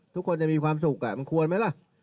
ทุกคนจะมีความสุขมันควรไหมล่ะ